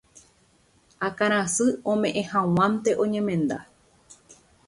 akãrasy ome'ẽ hag̃uánte oñemenda.